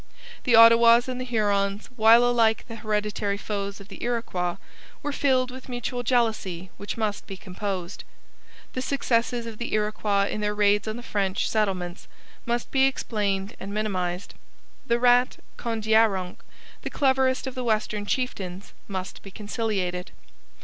The Ottawas and the Hurons, while alike the hereditary foes of the Iroquois, were filled with mutual jealousy which must be composed. The successes of the Iroquois in their raids on the French settlements must be explained and minimized. 'The Rat' Kondiaronk, the cleverest of the western chieftains, must be conciliated.